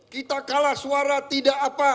kita kalah suara tidak apa